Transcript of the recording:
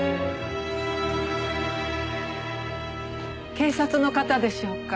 警察の方でしょうか？